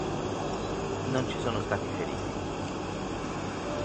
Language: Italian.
Non ci sono stati feriti.